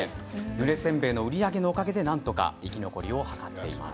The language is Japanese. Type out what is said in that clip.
ぬれせんべいの売り上げのおかげで、なんとか生き残りを図っています。